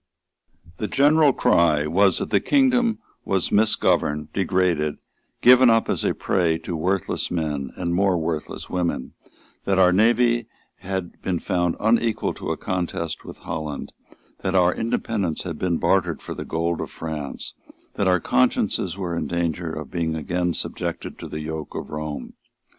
The general cry was that the kingdom was misgoverned, degraded, given up as a prey to worthless men and more worthless women, that our navy had been found unequal to a contest with Holland, that our independence had been bartered for the gold of France, that our consciences were in danger of being again subjected to the yoke of Rome.